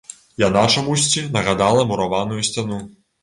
Яна чамусьці нагадала мураваную сцяну.